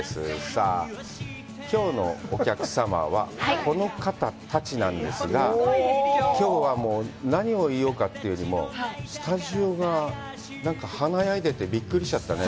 さあ、きょうのお客様はこの方たちなんですが、きょうはもう、何を言おうかというよりも、スタジオがなんか華やいでてびっくりしちゃったね。